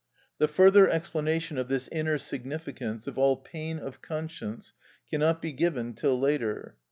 The further explanation of this inner significance of all pain of conscience cannot be given till later.